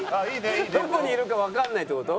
どこにいるかわかんないって事？